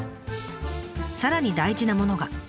さらに大事なものが。